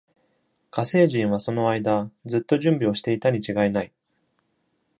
火星人はその間ずっと準備をしていたに違いない。